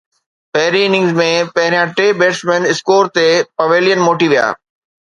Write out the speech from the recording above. پهرين اننگز ۾ پهريان ٽي بيٽسمين اسڪور تي پويلين موٽي ويا.